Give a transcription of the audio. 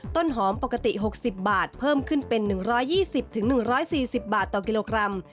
ต้นหอมปกติหกสิบบาทเพิ่มขึ้นเป็นหนึ่งร้อยยี่สิบถึงหนึ่งร้อยสี่สิบบาทต่อกิโลกรัม